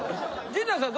陣内さん